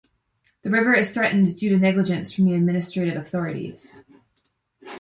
The river is threatened due to negligence from the administrative authorities.